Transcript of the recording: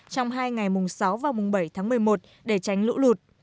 trong hai ngày mùng sáu và mùng bảy tháng một mươi một để tránh lũ lụt